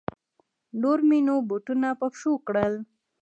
نور مې نو بوټونه په پښو کړل.